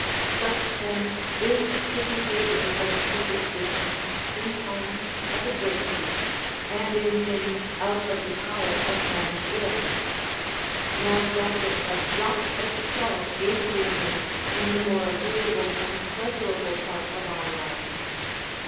{: 9. Such then is the behavior of superstition in times of adversity, and in things out of the power of man's Λνϋΐ. Nor doth it a jot excel atheism in the more agreeable and pleasurable part of our lives.